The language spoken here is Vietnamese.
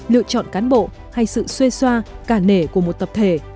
lựa chọn cán bộ hay sự xuê xoa cả nể của một tập thể